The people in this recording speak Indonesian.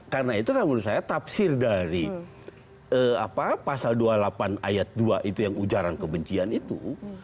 karena itu menurut saya tafsir dari pasal dua puluh delapan ayat dua itu yang ujaran kebencian itu